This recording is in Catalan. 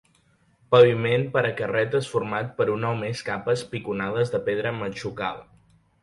Paviment per a carreteres format per una o més capes piconades de pedra matxucada.